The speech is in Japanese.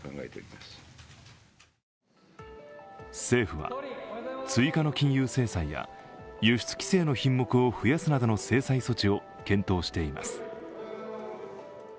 政府は追加の金融制裁や輸出規制の品目を増やすなどの制裁措置を検討しています。